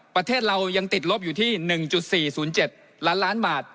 ประเทศเรายังติดลบอยู่ที่๑๔๐๗ล้านล้านบาท